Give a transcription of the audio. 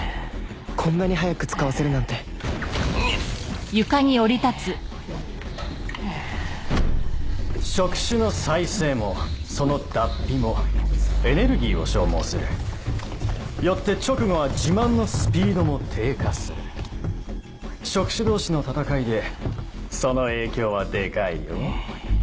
こんなに早く使わせるなんて触手の再生もその脱皮もエネルギーを消耗するよって直後は自慢のスピードも低下する触手同士の戦いでその影響はデカいよ